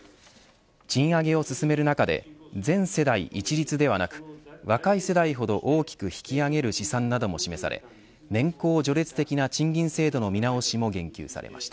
賃上げを進める中で全世代一律ではなく若い世代ほど大きく引き上げる試算なども示され年功序列的な賃金制度の見直しも言及されました。